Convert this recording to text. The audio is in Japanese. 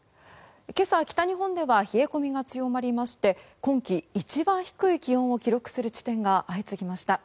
今朝、北日本では冷え込みが強まりまして今季、一番低い気温を記録する地点が相次ぎました。